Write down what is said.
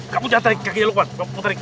kamu jangan tarik kakinya lo pohon kamu tarik